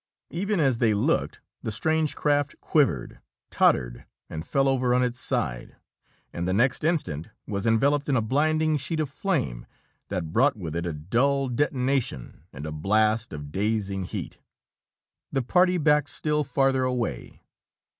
Even as they looked, the strange craft quivered, tottered, and fell over on its side, and the next instant was enveloped in a blinding sheet of flame that brought with it a dull detonation and a blast of dazing heat. The party backed still farther away.